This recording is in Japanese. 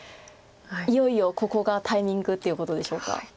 いよいよここがタイミングっていうことでしょうか。